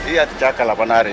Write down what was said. iya dijaga delapan hari